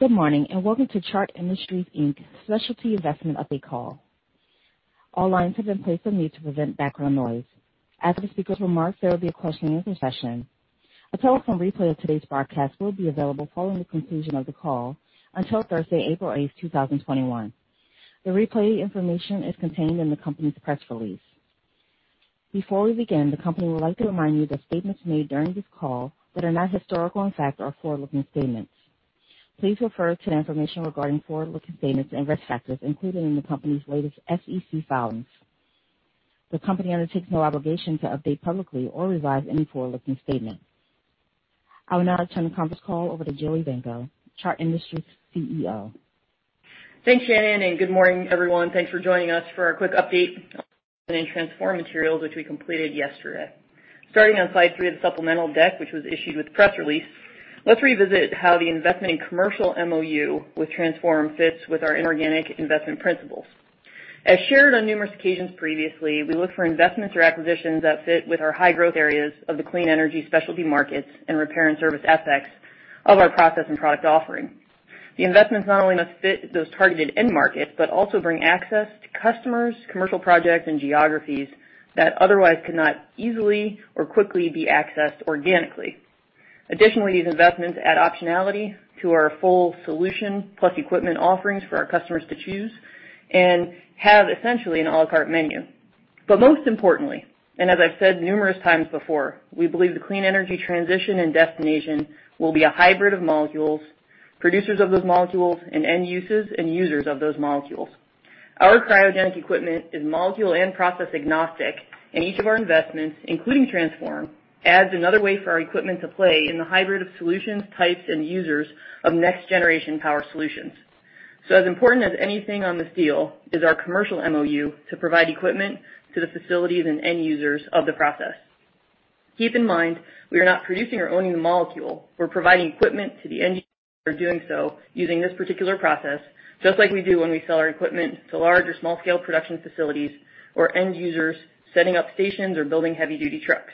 Good morning and welcome to Chart Industries, Inc. Specialty Investment Update Call. All lines have been placed on mute to prevent background noise. As the speakers remarked, there will be a question-and-answer session. A telephone replay of today's broadcast will be available following the conclusion of the call until Thursday, April 8th, 2021. The replay information is contained in the company's press release. Before we begin, the company would like to remind you that statements made during this call that are not historical fact or forward-looking statements. Please refer to the information regarding forward-looking statements and risk factors included in the company's latest SEC filings. The company undertakes no obligation to update publicly or revise any forward-looking statements. I will now turn the conference call over to Jillian Evanko, Chart Industries CEO. Thanks, Shannon, and good morning, everyone. Thanks for joining us for a quick update on the Transform Materials which we completed yesterday. Starting on slide three, the supplemental deck which was issued with press release, let's revisit how the investment in commercial MOU with Transform fits with our inorganic investment principles. As shared on numerous occasions previously, we look for investments or acquisitions that fit with our high-growth areas of the clean energy specialty markets and repair and service aspects of our process and product offering. The investments not only must fit those targeted end markets but also bring access to customers, commercial projects, and geographies that otherwise could not easily or quickly be accessed organically. Additionally, these investments add optionality to our full solution plus equipment offerings for our customers to choose and have essentially an à la carte menu. But most importantly, and as I've said numerous times before, we believe the clean energy transition and destination will be a hybrid of molecules, producers of those molecules, and end users and users of those molecules. Our cryogenic equipment is molecule and process agnostic, and each of our investments, including Transform, adds another way for our equipment to play in the hybrid of solutions, types, and users of next-generation power solutions. So, as important as anything on this deal is our commercial MOU to provide equipment to the facilities and end users of the process. Keep in mind, we are not producing or owning the molecule. We're providing equipment to the end users that are doing so using this particular process, just like we do when we sell our equipment to large or small-scale production facilities or end users setting up stations or building heavy-duty trucks.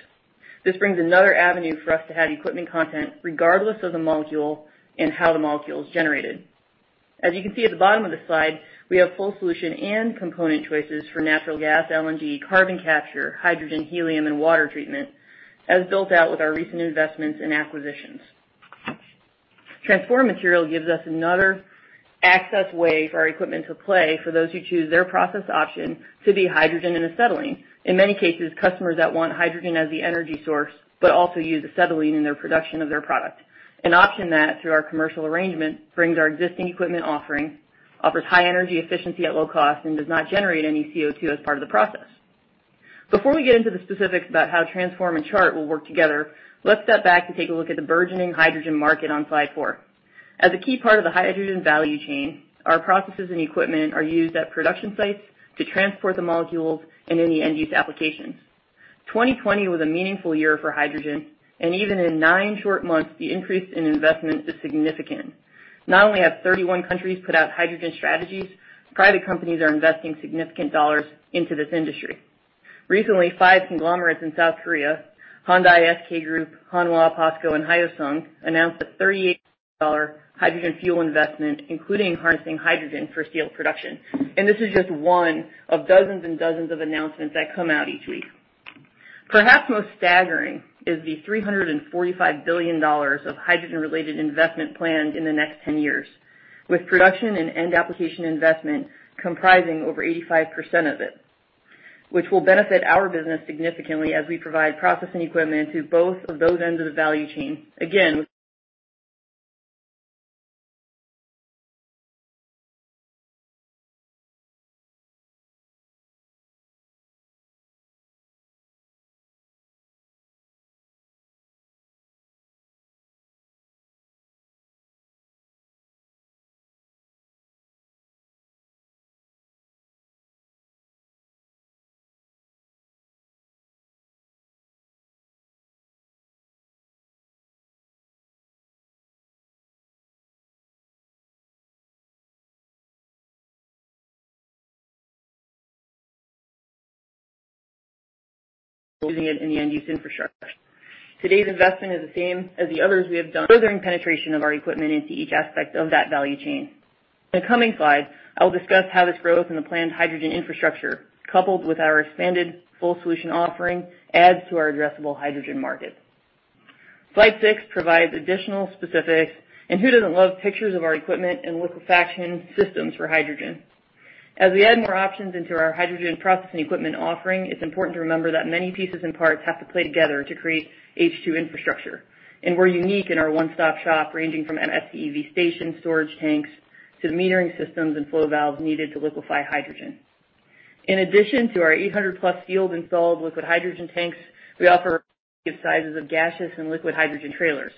This brings another avenue for us to have equipment content regardless of the molecule and how the molecule is generated. As you can see at the bottom of the slide, we have full solution and component choices for natural gas, LNG, carbon capture, hydrogen, helium, and water treatment as built out with our recent investments and acquisitions. Transform Materials gives us another access way for our equipment to play for those who choose their process option to be hydrogen and acetylene. In many cases, customers that want hydrogen as the energy source but also use acetylene in their production of their product, an option that, through our commercial arrangement, brings our existing equipment offering, offers high energy efficiency at low cost, and does not generate any CO2 as part of the process. Before we get into the specifics about how Transform and Chart will work together, let's step back to take a look at the burgeoning hydrogen market on slide four. As a key part of the hydrogen value chain, our processes and equipment are used at production sites to transport the molecules and in the end-use applications. 2020 was a meaningful year for hydrogen, and even in nine short months, the increase in investment is significant. Not only have 31 countries put out hydrogen strategies, private companies are investing significant dollars into this industry. Recently, five conglomerates in South Korea, Hyundai, SK Group, Hanwha, POSCO, and Hyosung, announced a $38 hydrogen fuel investment, including harnessing hydrogen for steel production, and this is just one of dozens and dozens of announcements that come out each week. Perhaps most staggering is the $345 billion of hydrogen-related investment planned in the next 10 years, with production and end-application investment comprising over 85% of it, which will benefit our business significantly as we provide processing equipment to both of those ends of the value chain. Again, using it in the end-use infrastructure. Today's investment is the same as the others we have done, furthering penetration of our equipment into each aspect of that value chain. In the coming slide, I will discuss how this growth in the planned hydrogen infrastructure, coupled with our expanded full solution offering, adds to our addressable hydrogen market. Slide six provides additional specifics, and who doesn't love pictures of our equipment and liquefaction systems for hydrogen? As we add more options into our hydrogen processing equipment offering, it's important to remember that many pieces and parts have to play together to create H2 infrastructure. We're unique in our one-stop shop, ranging from FCEV stations, storage tanks, to the metering systems and flow valves needed to liquefy hydrogen. In addition to our 800-plus field-installed liquid hydrogen tanks, we offer a variety of sizes of gaseous and liquid hydrogen trailers.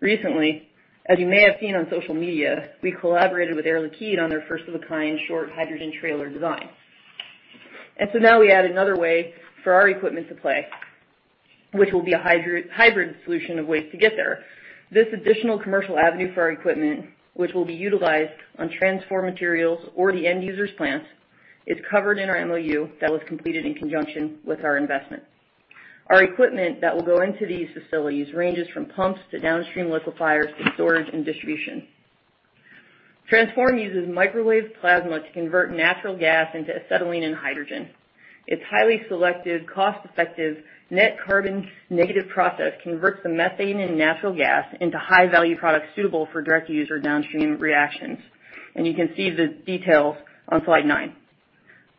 Recently, as you may have seen on social media, we collaborated with Air Liquide on their first-of-a-kind short hydrogen trailer design. So now we add another way for our equipment to play, which will be a hybrid solution of ways to get there. This additional commercial avenue for our equipment, which will be utilized on Transform Materials or the end-user's plants, is covered in our MOU that was completed in conjunction with our investment. Our equipment that will go into these facilities ranges from pumps to downstream liquefiers to storage and distribution. Transform uses microwave plasma to convert natural gas into acetylene and hydrogen. It's highly selective, cost-effective, net carbon-negative process converts the methane and natural gas into high-value products suitable for direct-use or downstream reactions. You can see the details on slide nine.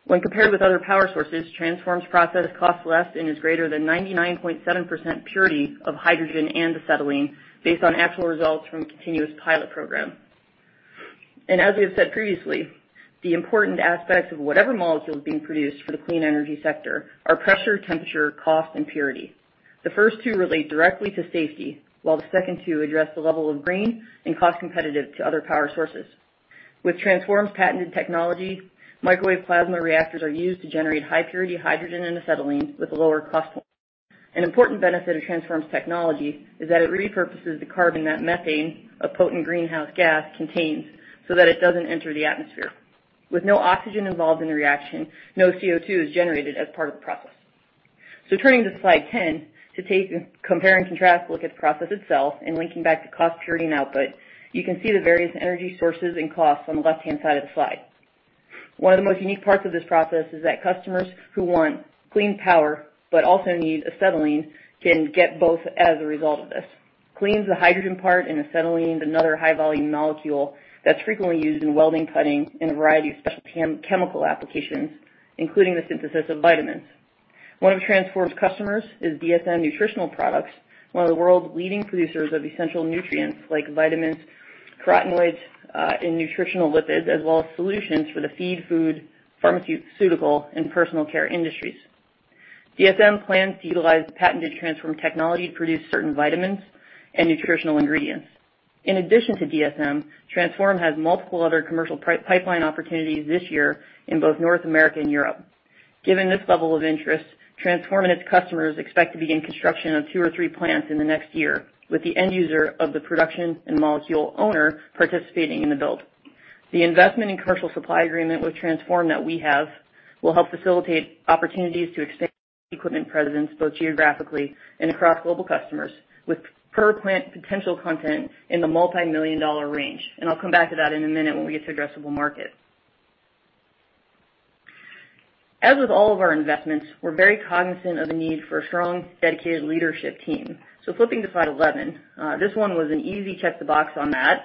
When compared with other power sources, Transform's process costs less and is greater than 99.7% purity of hydrogen and acetylene based on actual results from a continuous pilot program. As we have said previously, the important aspects of whatever molecule is being produced for the clean energy sector are pressure, temperature, cost, and purity. The first two relate directly to safety, while the second two address the level of green and cost competitive to other power sources. With Transform's patented technology, microwave plasma reactors are used to generate high-purity hydrogen and acetylene with a lower cost point. An important benefit of Transform's technology is that it repurposes the carbon that methane, a potent greenhouse gas, contains so that it doesn't enter the atmosphere. With no oxygen involved in the reaction, no CO2 is generated as part of the process, so turning to slide 10 to take a compare and contrast look at the process itself and linking back to cost, purity, and output, you can see the various energy sources and costs on the left-hand side of the slide. One of the most unique parts of this process is that customers who want clean power but also need acetylene can get both as a result of this. Clean is the hydrogen part and acetylene another high-volume molecule that's frequently used in welding, cutting, and a variety of special chemical applications, including the synthesis of vitamins. One of Transform's customers is DSM Nutritional Products, one of the world's leading producers of essential nutrients like vitamins, carotenoids, and nutritional lipids, as well as solutions for the feed, food, pharmaceutical, and personal care industries. DSM plans to utilize patented Transform technology to produce certain vitamins and nutritional ingredients. In addition to DSM, Transform has multiple other commercial pipeline opportunities this year in both North America and Europe. Given this level of interest, Transform and its customers expect to begin construction of two or three plants in the next year, with the end user of the production and molecule owner participating in the build. The investment and commercial supply agreement with Transform that we have will help facilitate opportunities to expand equipment presence both geographically and across global customers, with per-plant potential content in the multi-million-dollar range. And I'll come back to that in a minute when we get to addressable market. As with all of our investments, we're very cognizant of the need for a strong, dedicated leadership team. So flipping to slide 11, this one was an easy check-the-box on that.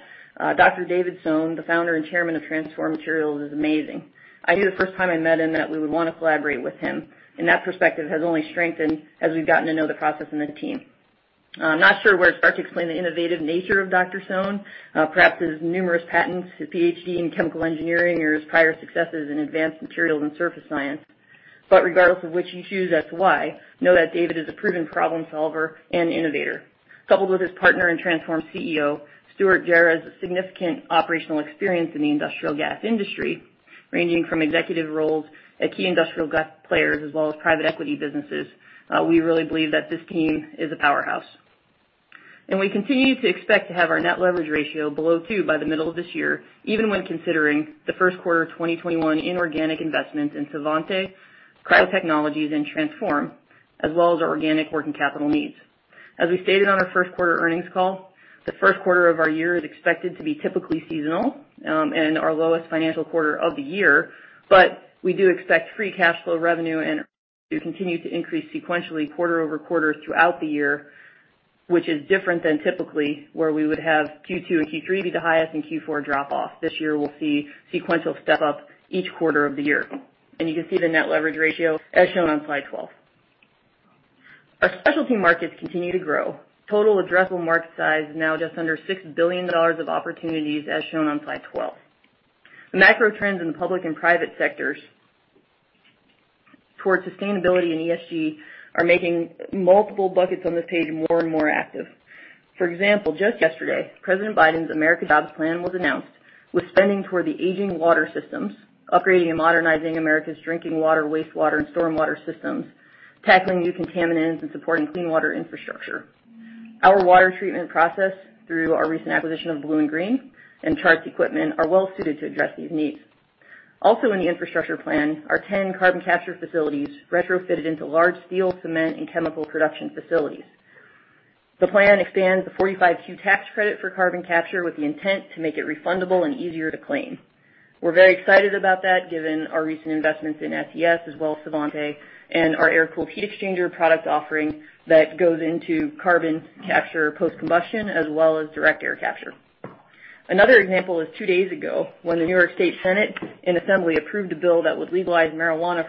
Dr. David Soane, the founder and chairman of Transform Materials, is amazing. I knew the first time I met him that we would want to collaborate with him. And that perspective has only strengthened as we've gotten to know the process and the team. I'm not sure where to start to explain the innovative nature of Dr. Soane. Perhaps his numerous patents, his PhD in chemical engineering, or his prior successes in advanced materials and surface science. But regardless of which you choose as to why, know that David is a proven problem solver and innovator. Coupled with his partner and Transform CEO, Stuart Jara has significant operational experience in the industrial gas industry, ranging from executive roles at key industrial gas players as well as private equity businesses. We really believe that this team is a powerhouse. And we continue to expect to have our net leverage ratio below two by the middle of this year, even when considering the first quarter of 2021 in organic investments in Svante, Cryo Technologies, and Transform, as well as our organic working capital needs. As we stated on our first quarter earnings call, the first quarter of our year is expected to be typically seasonal and our lowest financial quarter of the year. But we do expect free cash flow revenue and to continue to increase sequentially quarter over quarter throughout the year, which is different than typically where we would have Q2 and Q3 be the highest and Q4 drop off. This year, we'll see sequential step up each quarter of the year. And you can see the net leverage ratio as shown on slide 12. Our specialty markets continue to grow. Total addressable market size is now just under $6 billion of opportunities as shown on slide 12. The macro trends in the public and private sectors towards sustainability and ESG are making multiple buckets on this page more and more active. For example, just yesterday, President Biden's American Jobs Plan was announced, with spending toward the aging water systems, upgrading and modernizing America's drinking water, wastewater, and stormwater systems, tackling new contaminants, and supporting clean water infrastructure. Our water treatment process, through our recent acquisition of BlueInGreen and Chart's equipment, are well suited to address these needs. Also, in the infrastructure plan, our 10 carbon capture facilities retrofitted into large steel, cement, and chemical production facilities. The plan expands the 45Q tax credit for carbon capture with the intent to make it refundable and easier to claim. We're very excited about that, given our recent investments in SES, as well as Svante, and our air-cooled heat exchanger product offering that goes into carbon capture post-combustion as well as direct air capture. Another example is two days ago when the New York State Senate and Assembly approved a bill that would legalize marijuana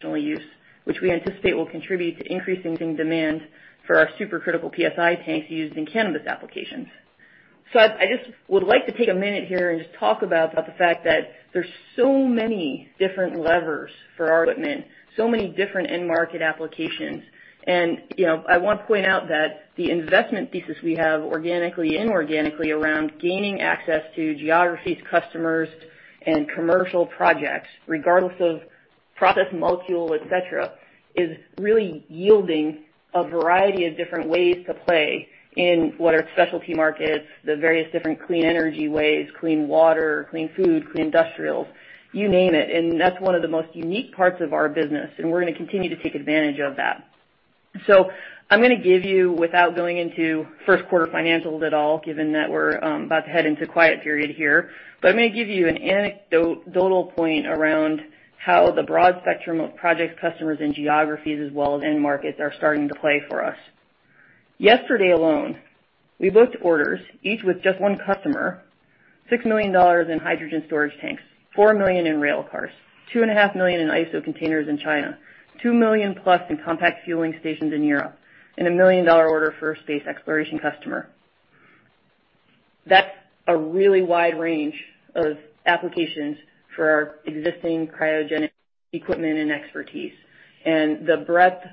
for use, which we anticipate will contribute to increasing demand for our supercritical PSI tanks used in cannabis applications. So I just would like to take a minute here and just talk about the fact that there's so many different levers for our equipment, so many different end-market applications. And I want to point out that the investment thesis we have organically and inorganically around gaining access to geographies, customers, and commercial projects, regardless of process, molecule, etc., is really yielding a variety of different ways to play in what are specialty markets, the various different clean energy ways, clean water, clean food, clean industrials, you name it. And that's one of the most unique parts of our business. And we're going to continue to take advantage of that. So I'm going to give you, without going into first quarter financials at all, given that we're about to head into a quiet period here, but I'm going to give you an anecdotal point around how the broad spectrum of projects, customers, and geographies, as well as end markets, are starting to play for us. Yesterday alone, we booked orders, each with just one customer, $6 million in hydrogen storage tanks, $4 million in rail cars, $2.5 million in ISO containers in China, $2 million plus in compact fueling stations in Europe, and a $1 million order for a space exploration customer. That's a really wide range of applications for our existing cryogenic equipment and expertise. And the breadth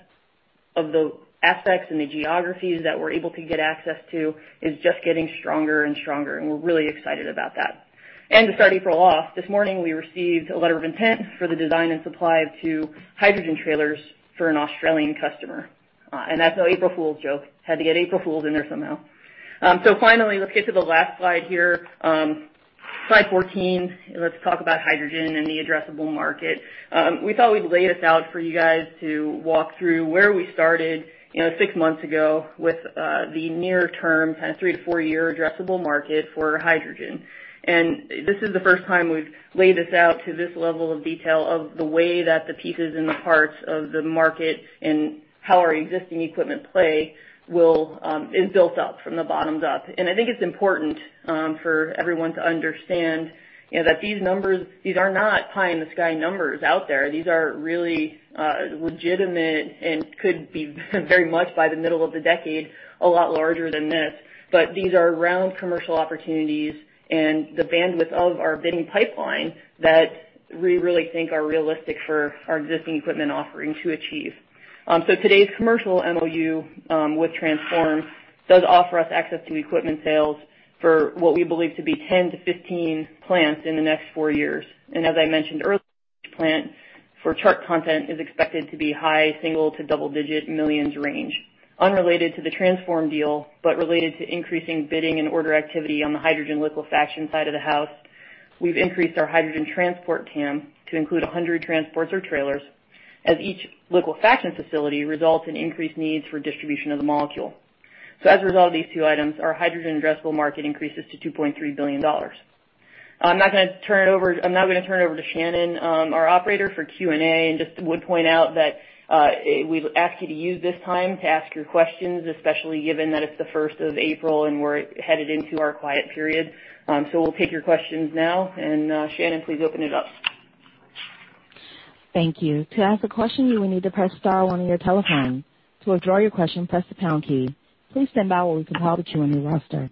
of the aspects and the geographies that we're able to get access to is just getting stronger and stronger. And we're really excited about that. And to start April off, this morning, we received a letter of intent for the design and supply of two hydrogen trailers for an Australian customer. And that's no April Fools' joke. Had to get April Fools in there somehow. So finally, let's get to the last slide here. Slide 14, let's talk about hydrogen and the addressable market. We thought we'd lay this out for you guys to walk through where we started six months ago with the near-term, kind of three- to four-year addressable market for hydrogen. And this is the first time we've laid this out to this level of detail of the way that the pieces and the parts of the market and how our existing equipment play is built up from the bottoms up. And I think it's important for everyone to understand that these numbers, these are not pie-in-the-sky numbers out there. These are really legitimate and could be very much by the middle of the decade a lot larger than this. But these are real commercial opportunities and the bandwidth of our bidding pipeline that we really think are realistic for our existing equipment offering to achieve. So today's commercial MOU with Transform does offer us access to equipment sales for what we believe to be 10 to 15 plants in the next four years. And as I mentioned earlier, each plant for Chart content is expected to be high single- to double-digit millions range. Unrelated to the Transform deal, but related to increasing bidding and order activity on the hydrogen liquefaction side of the house, we've increased our hydrogen transport TAM to include 100 transports or trailers, as each liquefaction facility results in increased needs for distribution of the molecule. So as a result of these two items, our hydrogen addressable market increases to $2.3 billion. I'm not going to turn it over. I'm now going to turn it over to Shannon, our operator, for Q&A, and just would point out that we ask you to use this time to ask your questions, especially given that it's the first of April and we're headed into our quiet period. We'll take your questions now. And Shannon, please open it up. Thank you. To ask a question, you will need to press star one on your telephone. To withdraw your question, press the pound key. Please stand by while we compile the Q&A roster.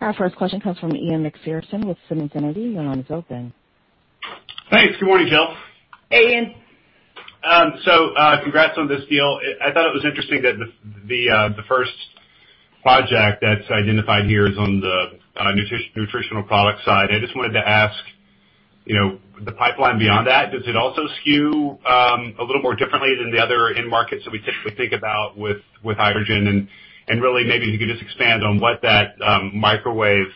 Our first question comes from Ian MacPherson with Simmons Energy. Your line is open. Thanks. Good morning, Jill. Hey, Ian. So congrats on this deal. I thought it was interesting that the first project that's identified here is on the nutritional product side. I just wanted to ask, the pipeline beyond that, does it also skew a little more differently than the other end markets that we typically think about with hydrogen? And really, maybe if you could just expand on what that microwave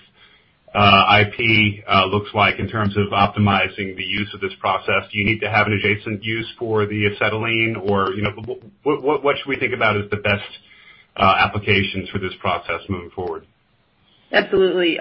IP looks like in terms of optimizing the use of this process. Do you need to have an adjacent use for the acetylene? Or what should we think about as the best applications for this process moving forward? Absolutely.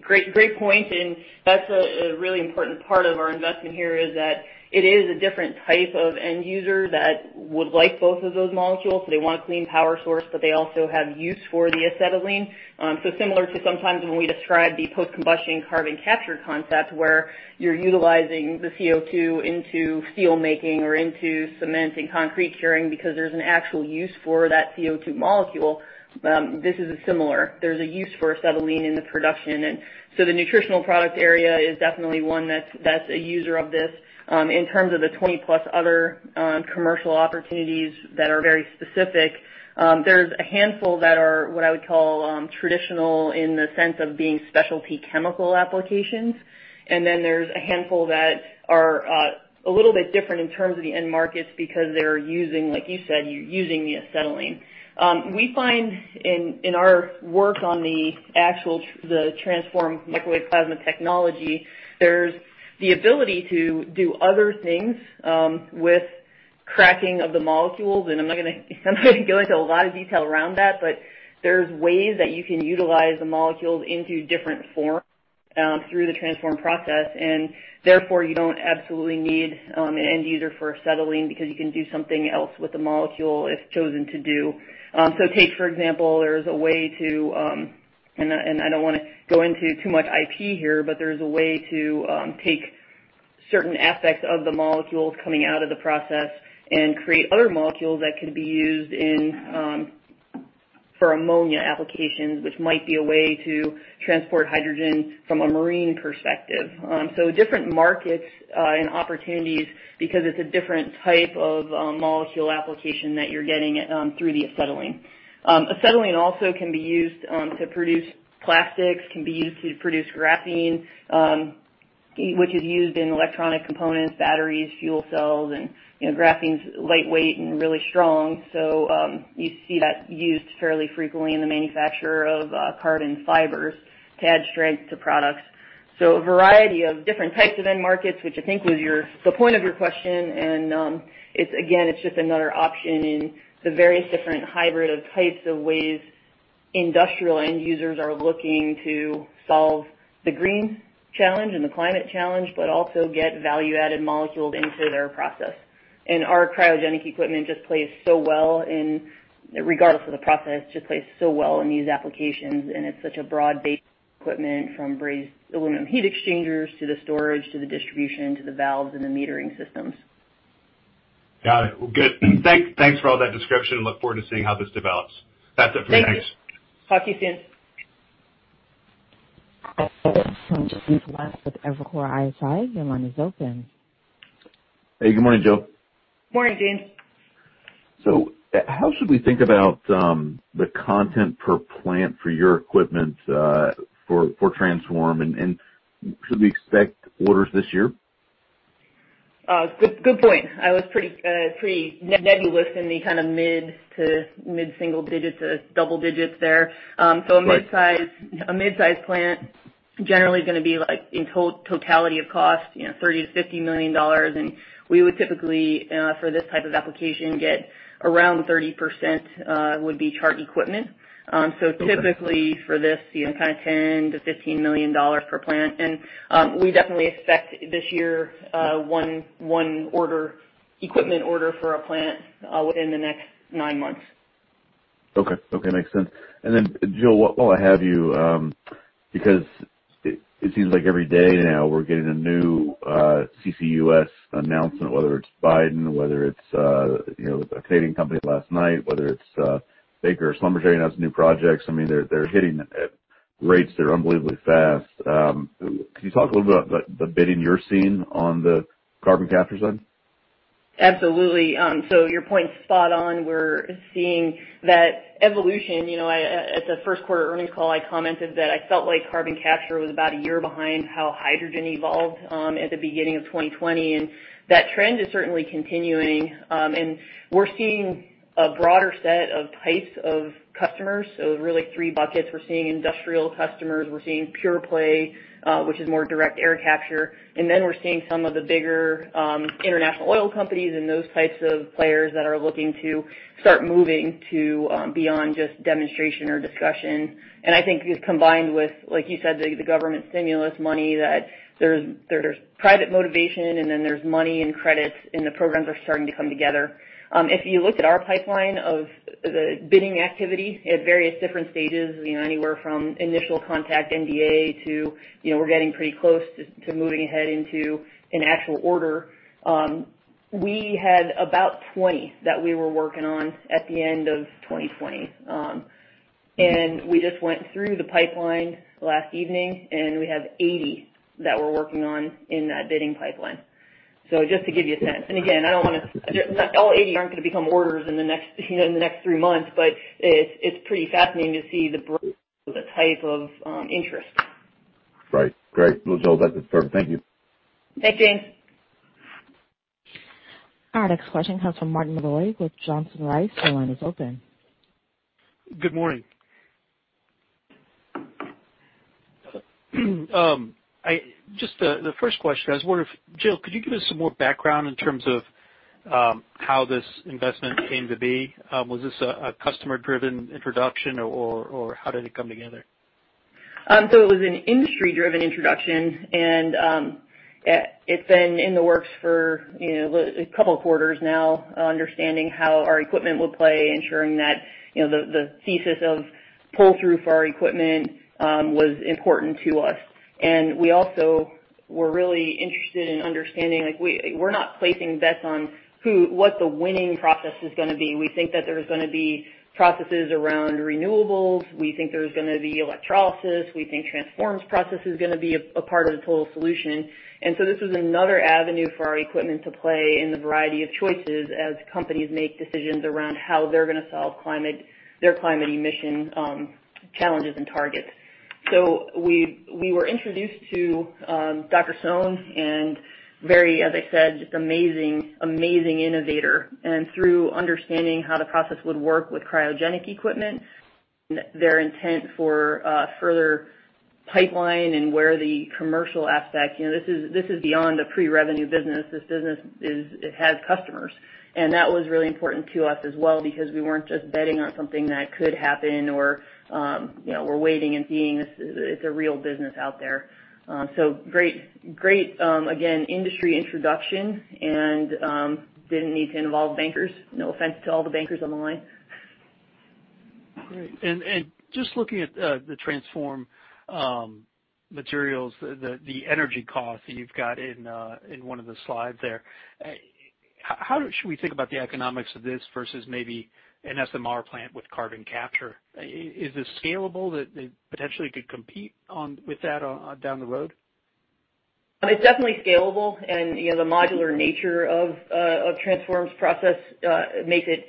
Great point. And that's a really important part of our investment here is that it is a different type of end user that would like both of those molecules. They want a clean power source, but they also have use for the acetylene. So similar to sometimes when we describe the post-combustion carbon capture concept where you're utilizing the CO2 into steel making or into cement and concrete curing because there's an actual use for that CO2 molecule, this is similar. There's a use for acetylene in the production. And so the nutritional product area is definitely one that's a user of this. In terms of the 20-plus other commercial opportunities that are very specific, there's a handful that are what I would call traditional in the sense of being specialty chemical applications. And then there's a handful that are a little bit different in terms of the end markets because they're using, like you said, you're using the acetylene. We find in our work on the actual Transform Microwave Plasma technology, there's the ability to do other things with cracking of the molecules. I'm not going to go into a lot of detail around that, but there's ways that you can utilize the molecules into different forms through the Transform process. Therefore, you don't absolutely need an end user for acetylene because you can do something else with the molecule if chosen to do. Take, for example, there is a way to, and I don't want to go into too much IP here, but there is a way to take certain aspects of the molecules coming out of the process and create other molecules that could be used for ammonia applications, which might be a way to transport hydrogen from a marine perspective. Different markets and opportunities because it's a different type of molecule application that you're getting through the acetylene. Acetylene also can be used to produce plastics, can be used to produce graphene, which is used in electronic components, batteries, fuel cells. Graphene's lightweight and really strong. You see that used fairly frequently in the manufacture of carbon fibers to add strength to products. A variety of different types of end markets, which I think was the point of your question. Again, it's just another option in the various different hybrid of types of ways industrial end users are looking to solve the green challenge and the climate challenge, but also get value-added molecules into their process. Our cryogenic equipment just plays so well in, regardless of the process, it just plays so well in these applications. It's such a broad-based equipment from brazed aluminum heat exchangers to the storage to the distribution to the valves and the metering systems. Got it. Well, good. Thanks for all that description. Look forward to seeing how this develops. That's it for today. Thanks. Talk to you soon. And James West with Evercore ISI. Your line is open. Hey, good morning, Jill. Morning, James. So how should we think about the content per plant for your equipment for Transform? And should we expect orders this year? Good point. I was pretty nebulous in the kind of mid to mid-single digits to double digits there. So a mid-size plant generally is going to be in totality of cost, $30-$50 million. And we would typically, for this type of application, get around 30% would be Chart equipment. So typically for this, kind of $10-$15 million per plant. And we definitely expect this year one equipment order for a plant within the next nine months. Okay. Okay. Makes sense. And then, Jill, while I have you, because it seems like every day now we're getting a new CCUS announcement, whether it's Biden, whether it's a Canadian company last night, whether it's Baker Hughes or Schlumberger announced new projects. I mean, they're hitting rates that are unbelievably fast. Can you talk a little bit about the bidding you're seeing on the carbon capture side? Absolutely. So your point's spot on. We're seeing that evolution. At the first quarter earnings call, I commented that I felt like carbon capture was about a year behind how hydrogen evolved at the beginning of 2020. And that trend is certainly continuing. And we're seeing a broader set of types of customers. So really three buckets. We're seeing industrial customers. We're seeing pure play, which is more direct air capture. And then we're seeing some of the bigger international oil companies and those types of players that are looking to start moving to beyond just demonstration or discussion. And I think it's combined with, like you said, the government stimulus money that there's private motivation and then there's money and credits and the programs are starting to come together. If you looked at our pipeline of the bidding activity at various different stages, anywhere from initial contact NDA to we're getting pretty close to moving ahead into an actual order, we had about 20 that we were working on at the end of 2020. And we just went through the pipeline last evening and we have 80 that we're working on in that bidding pipeline. So just to give you a sense. Again, I don't want to say all 80 aren't going to become orders in the next three months, but it's pretty fascinating to see the type of interest. Right. Great. Well, Jill, that's it for me. Thank you. Thanks, James. Our next question comes from Martin Malloy with Johnson Rice. Your line is open. Good morning. Just the first question, I was wondering, Jill, could you give us some more background in terms of how this investment came to be? Was this a customer-driven introduction or how did it come together? So it was an industry-driven introduction. It has been in the works for a couple of quarters now, understanding how our equipment would play, ensuring that the thesis of pull-through for our equipment was important to us. We also were really interested in understanding we're not placing bets on what the winning process is going to be. We think that there's going to be processes around renewables. We think there's going to be electrolysis. We think Transform's process is going to be a part of the total solution. And so this was another avenue for our equipment to play in the variety of choices as companies make decisions around how they're going to solve their climate emission challenges and targets. So we were introduced to Dr. Soane and very, as I said, just amazing, amazing innovator. And through understanding how the process would work with cryogenic equipment, their intent for further pipeline and where the commercial aspect. This is beyond a pre-revenue business. This business has customers. And that was really important to us as well because we weren't just betting on something that could happen or we're waiting and seeing it's a real business out there. So great, again, industry introduction and didn't need to involve bankers. No offense to all the bankers on the line. Great. And just looking at the Transform Materials, the energy cost that you've got in one of the slides there, how should we think about the economics of this versus maybe an SMR plant with carbon capture? Is this scalable that they potentially could compete with that down the road? It's definitely scalable. And the modular nature of Transform's process makes it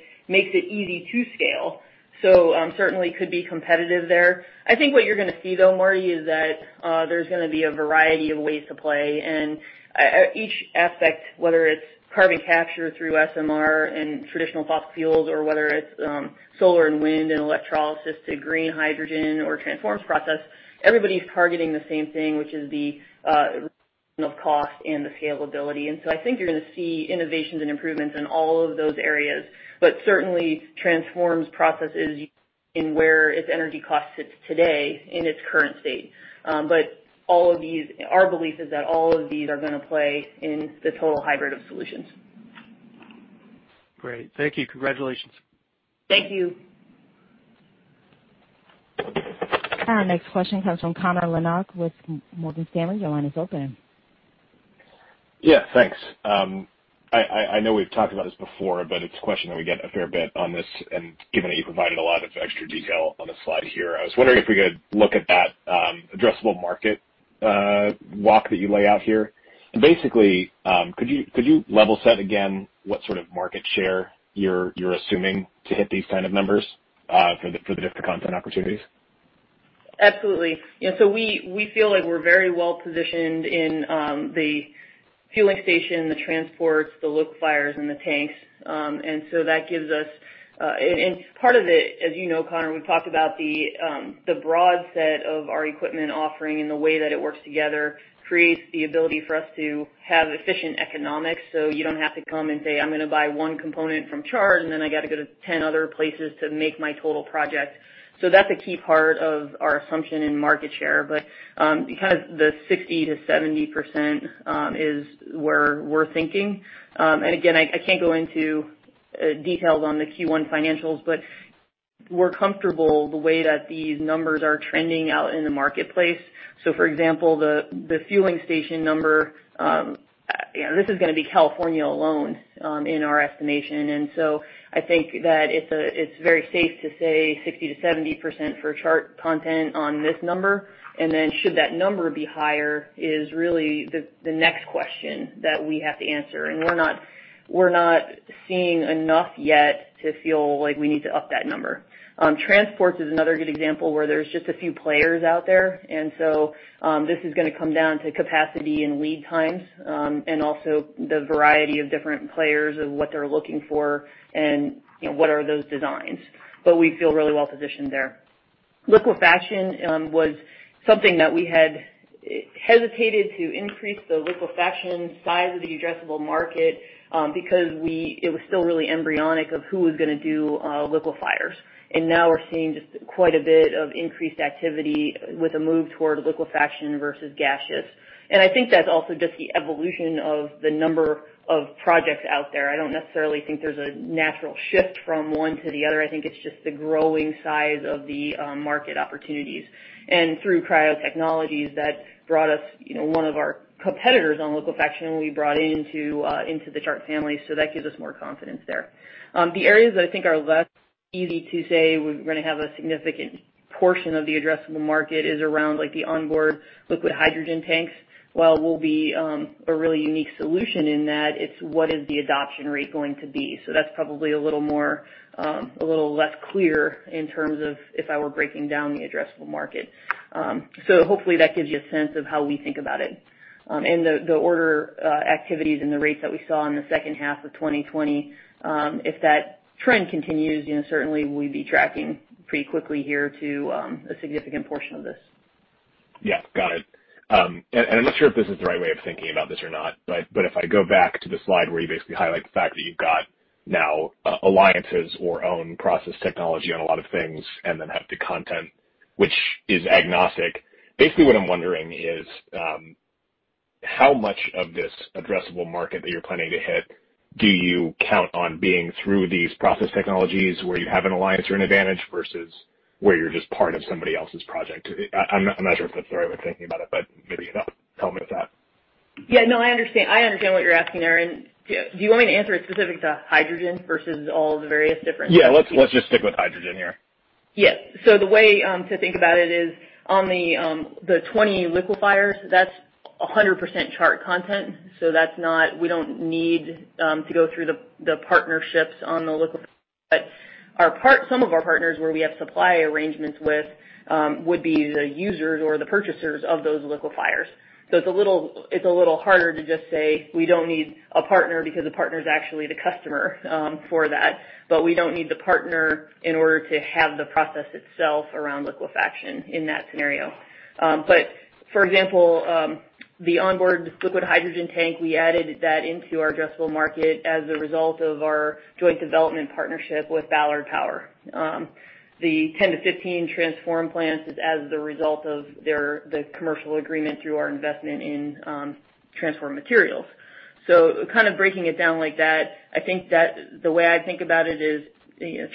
easy to scale. So certainly could be competitive there. I think what you're going to see, though, Marty, is that there's going to be a variety of ways to play. And each aspect, whether it's carbon capture through SMR and traditional fossil fuels or whether it's solar and wind and electrolysis to green hydrogen or Transform's process, everybody's targeting the same thing, which is the cost and the scalability. And so I think you're going to see innovations and improvements in all of those areas, but certainly Transform's process is in where its energy cost sits today in its current state. But our belief is that all of these are going to play in the total hybrid of solutions. Great. Thank you. Congratulations. Thank you. Our next question comes from Connor Lynagh with Morgan Stanley. Your line is open. Yeah. Thanks. I know we've talked about this before, but it's a question that we get a fair bit on this. And given that you provided a lot of extra detail on the slide here, I was wondering if we could look at that addressable market walk that you lay out here. And basically, could you level set again what sort of market share you're assuming to hit these kind of numbers for the different clean tech opportunities? Absolutely. We feel like we're very well positioned in the fueling station, the transports, the liquefiers, and the tanks. That gives us—and part of it, as you know, Connor, we've talked about the broad set of our equipment offering and the way that it works together creates the ability for us to have efficient economics. You don't have to come and say, "I'm going to buy one component from Chart and then I got to go to 10 other places to make my total project." That's a key part of our assumption in market share. Kind of the 60%-70% is where we're thinking. Again, I can't go into details on the Q1 financials, but we're comfortable the way that these numbers are trending out in the marketplace. So for example, the fueling station number, this is going to be California alone in our estimation. And so I think that it's very safe to say 60%-70% for Chart content on this number. And then should that number be higher is really the next question that we have to answer. And we're not seeing enough yet to feel like we need to up that number. Transport is another good example where there's just a few players out there. And so this is going to come down to capacity and lead times and also the variety of different players of what they're looking for and what are those designs. But we feel really well positioned there. Liquefaction was something that we had hesitated to increase the liquefaction size of the addressable market because it was still really embryonic of who was going to do liquefiers. And now we're seeing just quite a bit of increased activity with a move toward liquefaction versus gaseous. And I think that's also just the evolution of the number of projects out there. I don't necessarily think there's a natural shift from one to the other. I think it's just the growing size of the market opportunities. And through Cryo Technologies that brought us one of our competitors on liquefaction, we brought into the Chart family. So that gives us more confidence there. The areas that I think are less easy to say we're going to have a significant portion of the addressable market is around the onboard liquid hydrogen tanks. While we'll be a really unique solution in that, it's what is the adoption rate going to be. So that's probably a little less clear in terms of if I were breaking down the addressable market. So hopefully that gives you a sense of how we think about it. And the order activities and the rates that we saw in the second half of 2020, if that trend continues, certainly we'd be tracking pretty quickly here to a significant portion of this. Yeah. Got it. And I'm not sure if this is the right way of thinking about this or not, but if I go back to the slide where you basically highlight the fact that you've got now alliances or own process technology on a lot of things and then have the content, which is agnostic. Basically what I'm wondering is how much of this addressable market that you're planning to hit do you count on being through these process technologies where you have an alliance or an advantage versus where you're just part of somebody else's project? I'm not sure if that's the right way of thinking about it, but maybe you can help me with that. Yeah. No, I understand. I understand what you're asking there, and do you want me to answer it specifically to hydrogen versus all the various different? Yeah. Let's just stick with hydrogen here. Yes, so the way to think about it is on the 20 liquefiers, that's 100% Chart content, so we don't need to go through the partnerships on the liquefiers, but some of our partners where we have supply arrangements with would be the users or the purchasers of those liquefiers, so it's a little harder to just say we don't need a partner because the partner's actually the customer for that, but we don't need the partner in order to have the process itself around liquefaction in that scenario. But for example, the onboard liquid hydrogen tank, we added that into our addressable market as a result of our joint development partnership with Ballard Power. The 10-15 Transform plants is as the result of the commercial agreement through our investment in Transform Materials. So kind of breaking it down like that, I think that the way I think about it is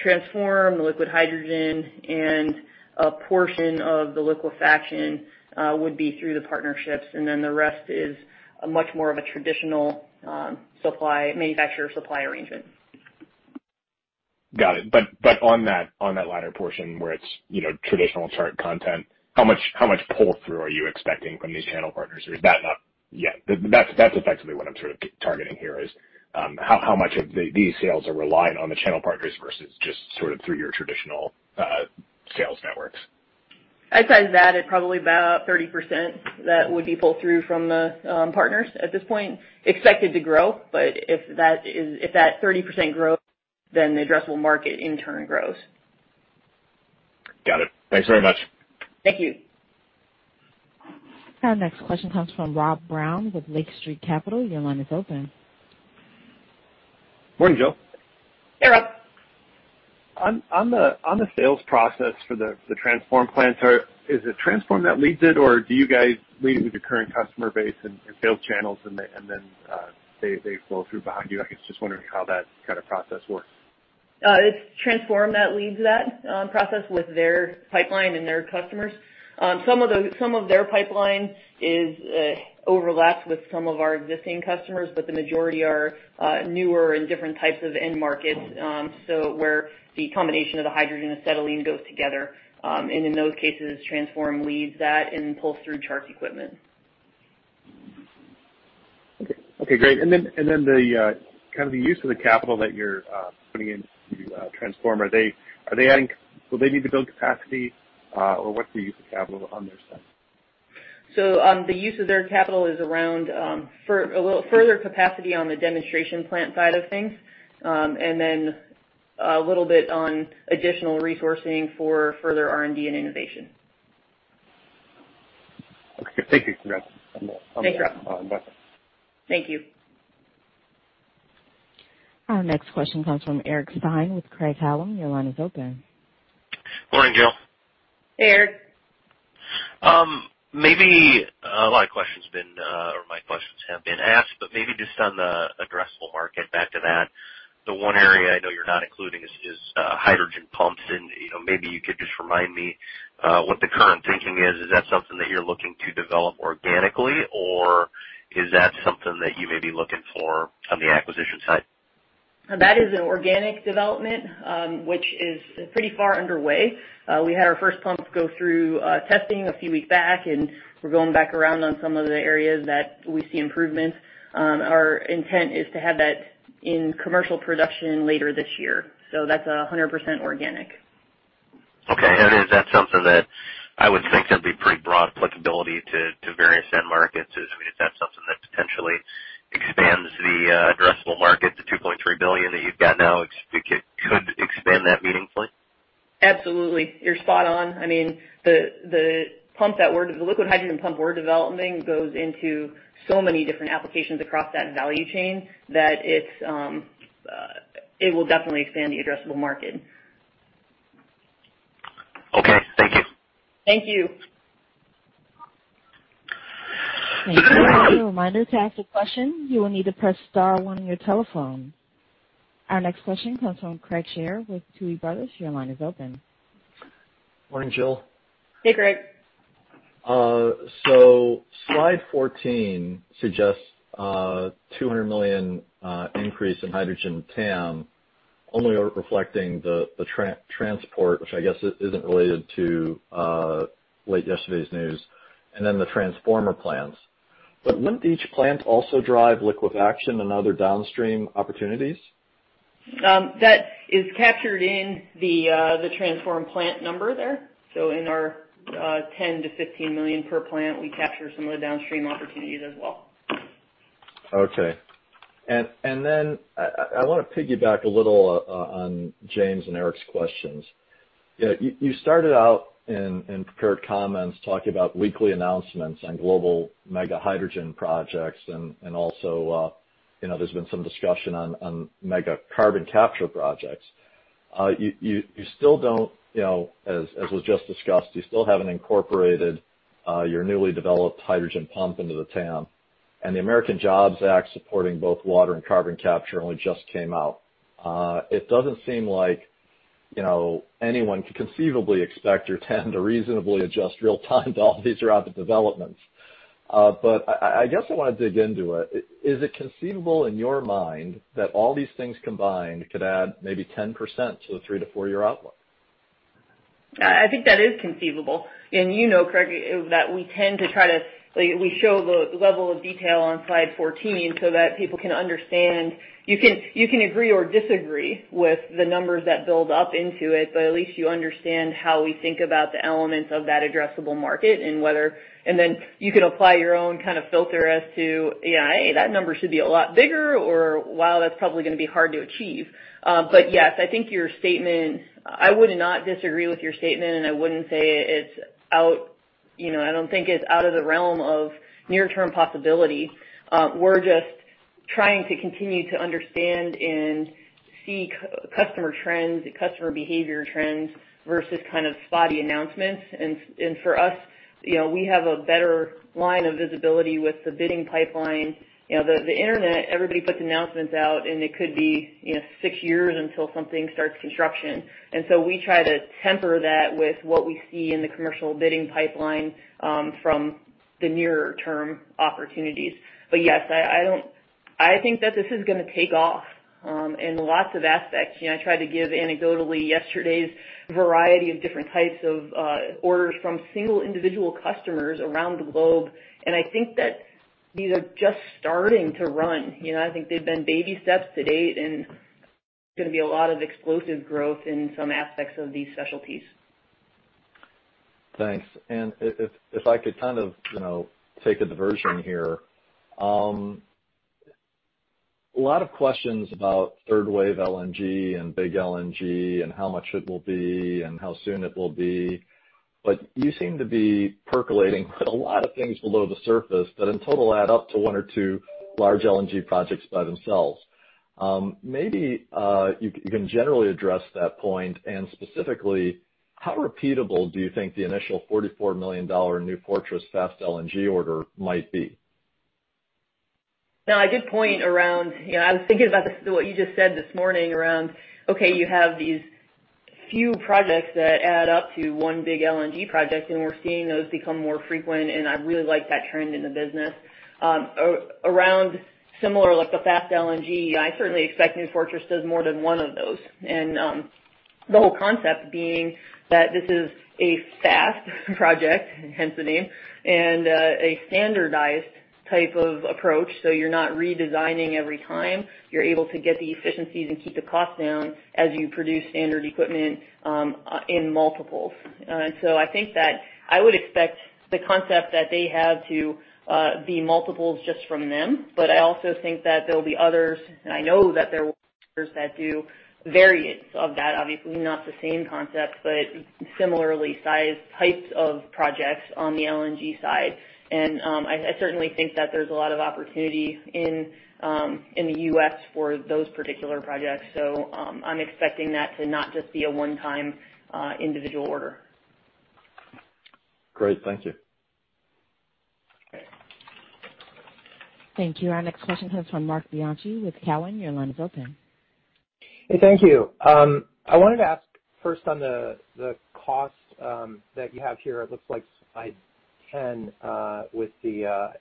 Transform, liquid hydrogen, and a portion of the liquefaction would be through the partnerships. And then the rest is much more of a traditional manufacturer supply arrangement. Got it. But on that latter portion where it's traditional Chart content, how much pull-through are you expecting from these channel partners? Or is that not yet? That's effectively what I'm sort of targeting here is how much of these sales are reliant on the channel partners versus just sort of through your traditional sales networks? I'd say that it's probably about 30% that would be pull-through from the partners at this point. Expected to grow. But if that 30% grows, then the addressable market in turn grows. Got it. Thanks very much. Thank you. Our next question comes from Rob Brown with Lake Street Capital. Your line is open. Morning, Jill. Hey, Rob. On the sales process for the Transform plants, is it Transform that leads it or do you guys lead it with your current customer base and sales channels and then they pull through behind you? I guess just wondering how that kind of process works. It's Transform that leads that process with their pipeline and their customers. Some of their pipeline overlaps with some of our existing customers, but the majority are newer and different types of end markets. So where the combination of the hydrogen acetylene goes together. In those cases, Transform leads that and pulls through Chart equipment. Okay. Okay. Great. Then kind of the use of the capital that you're putting into Transform, are they adding? Will they need to build capacity or what's the use of capital on their side? So the use of their capital is around further capacity on the demonstration plant side of things and then a little bit on additional resourcing for further R&D and innovation. Okay. Thank you. Congrats. Thanks, Rob. Thank you. Our next question comes from Eric Stine with Craig-Hallum. Your line is open. Morning, Jill. Hey, Eric. Maybe a lot of questions have been or my questions have been asked, but maybe just on the addressable market, back to that. The one area I know you're not including is hydrogen pumps. And maybe you could just remind me what the current thinking is. Is that something that you're looking to develop organically or is that something that you may be looking for on the acquisition side? That is an organic development, which is pretty far underway. We had our first pumps go through testing a few weeks back, and we're going back around on some of the areas that we see improvements. Our intent is to have that in commercial production later this year. So that's 100% organic. Okay. And is that something that I would think would be pretty broad applicability to various end markets? Is that something that potentially expands the addressable market, the $2.3 billion that you've got now? Could expand that meaningfully? Absolutely. You're spot on. I mean, the liquid hydrogen pump we're developing goes into so many different applications across that value chain that it will definitely expand the addressable market. Okay. Thank you. Thank you. You're now on a reminder to ask a question. You will need to press star one on your telephone. Our next question comes from Craig Shere with Tuohy Brothers. Your line is open. Morning, Jill. Hey, Craig. So slide 14 suggests a $200 million increase in hydrogen TAM, only reflecting the transport, which I guess isn't related to late yesterday's news, and then the Transform plants. But wouldn't each plant also drive liquefaction and other downstream opportunities? That is captured in the Transform plant number there. So in our $10 million-$15 million per plant, we capture some of the downstream opportunities as well. Okay. And then I want to piggyback a little on James and Eric's questions. You started out in prepared comments talking about weekly announcements on global mega hydrogen projects. And also there's been some discussion on mega carbon capture projects. You still don't, as was just discussed, you still haven't incorporated your newly developed hydrogen pump into the TAM. And the American Jobs Act supporting both water and carbon capture only just came out. It doesn't seem like anyone could conceivably expect your TAM to reasonably adjust real-time to all these rapid developments. But I guess I want to dig into it. Is it conceivable in your mind that all these things combined could add maybe 10% to the three- to four-year outlook? I think that is conceivable. And you know, Craig, that we tend to try to show the level of detail on slide 14 so that people can understand. You can agree or disagree with the numbers that build up into it, but at least you understand how we think about the elements of that addressable market and whether and then you can apply your own kind of filter as to, "Hey, that number should be a lot bigger," or, "Wow, that's probably going to be hard to achieve." But yes, I think. I would not disagree with your statement, and I wouldn't say it's out. I don't think it's out of the realm of near-term possibility. We're just trying to continue to understand and see customer trends, customer behavior trends versus kind of spotty announcements. And for us, we have a better line of visibility with the bidding pipeline. The internet, everybody puts announcements out, and it could be six years until something starts construction. And so we try to temper that with what we see in the commercial bidding pipeline from the near-term opportunities. But yes, I think that this is going to take off in lots of aspects. I tried to give anecdotally yesterday's variety of different types of orders from single individual customers around the globe. And I think that these are just starting to run. I think they've been baby steps to date, and there's going to be a lot of explosive growth in some aspects of these specialties. Thanks. And if I could kind of take a diversion here, a lot of questions about third wave LNG and big LNG and how much it will be and how soon it will be. But you seem to be percolating a lot of things below the surface that in total add up to one or two large LNG projects by themselves. Maybe you can generally address that point and specifically, how repeatable do you think the initial $44 million New Fortress Fast LNG order might be? Now, a good point around, I was thinking about what you just said this morning around, "Okay, you have these few projects that add up to one big LNG project, and we're seeing those become more frequent," and I really like that trend in the business. Around similar like the Fast LNG, I certainly expect New Fortress does more than one of those and the whole concept being that this is a fast project, hence the name, and a standardized type of approach, so you're not redesigning every time. You're able to get the efficiencies and keep the cost down as you produce standard equipment in multiples. And so I think that I would expect the concept that they have to be multiples just from them. But I also think that there will be others, and I know that there will be others that do variants of that, obviously not the same concept, but similarly sized types of projects on the LNG side. And I certainly think that there's a lot of opportunity in the US for those particular projects. So I'm expecting that to not just be a one-time individual order. Great. Thank you. Okay. Thank you. Our next question comes from Marc Bianchi with Cowen. Your line is open. Hey, thank you. I wanted to ask first on the cost that you have here. It looks like slide 10 with the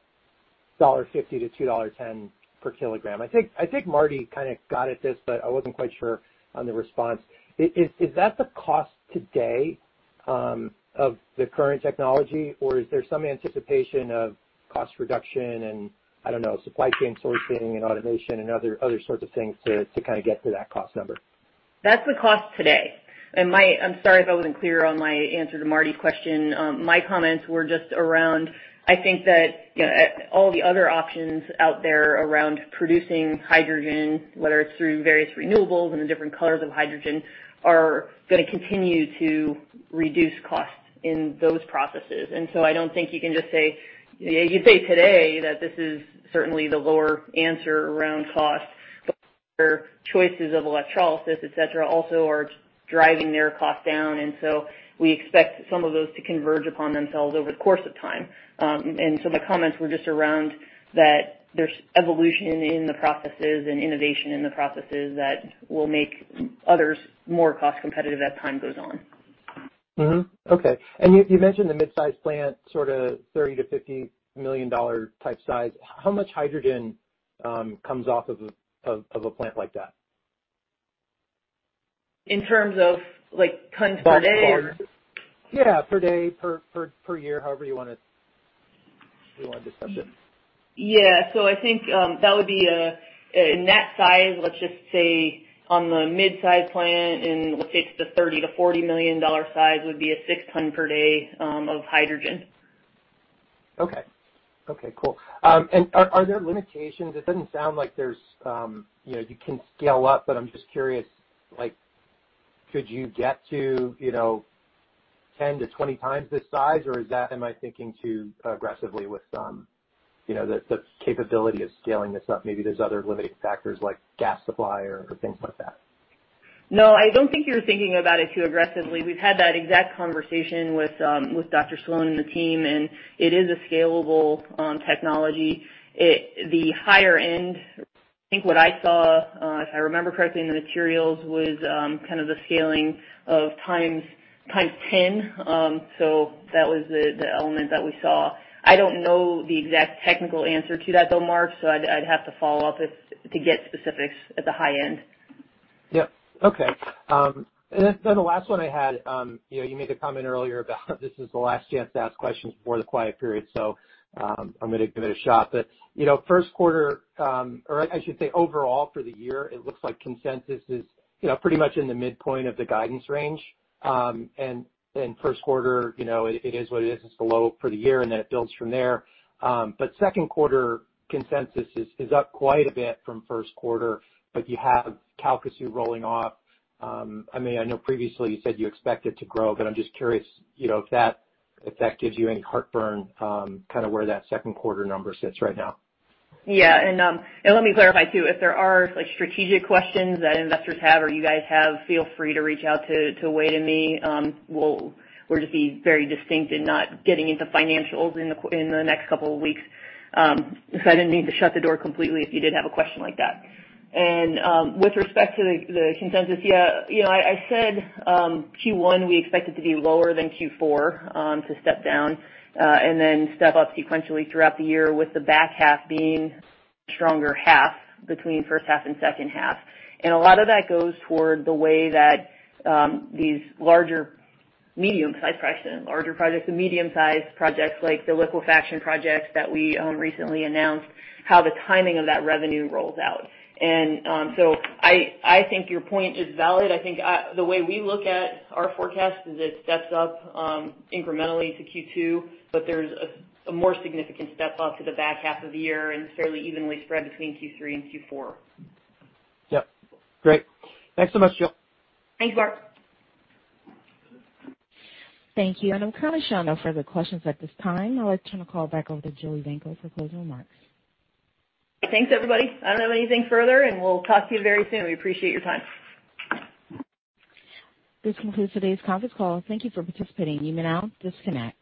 $1.50-$2.10 per kilogram. I think Marty kind of got at this, but I wasn't quite sure on the response. Is that the cost today of the current technology, or is there some anticipation of cost reduction and, I don't know, supply chain sourcing and automation and other sorts of things to kind of get to that cost number? That's the cost today. And I'm sorry if I wasn't clear on my answer to Marty's question. My comments were just around, I think that all the other options out there around producing hydrogen, whether it's through various renewables and the different colors of hydrogen, are going to continue to reduce costs in those processes. And so I don't think you can just say, "Yeah, you say today that this is certainly the lower answer around cost," but choices of electrolysis, etc., also are driving their cost down. And so we expect some of those to converge upon themselves over the course of time. And so my comments were just around that there's evolution in the processes and innovation in the processes that will make others more cost competitive as time goes on. Okay. And you mentioned the mid-size plant, sort of $30-$50 million type size. How much hydrogen comes off of a plant like that? In terms of tons per day? Yeah. Per day, per year, however you want to describe it. Yeah. So I think that would be a net size, let's just say on the mid-size plant, and let's say it's the $30-$40 million size would be a 6 ton per day of hydrogen. Okay. Okay. Cool. And are there limitations? It doesn't sound like there's you can scale up, but I'm just curious. Could you get to 10-20 times this size, or am I thinking too aggressively with the capability of scaling this up? Maybe there's other limiting factors like gas supply or things like that. No, I don't think you're thinking about it too aggressively. We've had that exact conversation with Dr. Soane and the team, and it is a scalable technology. The higher end, I think what I saw, if I remember correctly, in the materials was kind of the scaling of times 10. So that was the element that we saw. I don't know the exact technical answer to that, though, Mark, so I'd have to follow up to get specifics at the high end. Yep. Okay. And then the last one I had. You made a comment earlier about this is the last chance to ask questions before the quiet period. So I'm going to give it a shot. But first quarter, or I should say overall for the year, it looks like consensus is pretty much in the midpoint of the guidance range. And first quarter, it is what it is. It's below for the year, and then it builds from there. But second quarter consensus is up quite a bit from first quarter, but you have Calcasieu rolling off. I mean, I know previously you said you expected to grow, but I'm just curious if that gives you any heartburn kind of where that second quarter number sits right now. Yeah. And let me clarify too. If there are strategic questions that investors have or you guys have, feel free to reach out to Wade and me. We'll just be very distinct in not getting into financials in the next couple of weeks, so I didn't mean to shut the door completely if you did have a question like that, and with respect to the consensus, yeah, I said Q1 we expected to be lower than Q4 to step down and then step up sequentially throughout the year with the back half being a stronger half between first half and second half, and a lot of that goes toward the way that these larger medium-sized projects and larger projects, the medium-sized projects like the liquefaction projects that we recently announced, how the timing of that revenue rolls out, and so I think your point is valid. I think the way we look at our forecast is it steps up incrementally to Q2, but there's a more significant step up to the back half of the year and fairly evenly spread between Q3 and Q4. Yep. Great. Thanks so much, Jill. Thanks, Mark. Thank you, and I'm currently showing no further questions at this time. I'll turn the call back over to Jill Evanko for closing remarks. Thanks, everybody. I don't have anything further, and we'll talk to you very soon. We appreciate your time. This concludes today's conference call. Thank you for participating. You may now disconnect.